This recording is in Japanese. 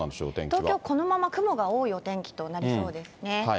東京、このまま雲が多いお天気となりそうですね。